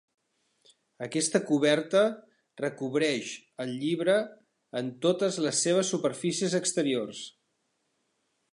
Aquesta coberta recobreix el llibre en totes les seves superfícies exteriors.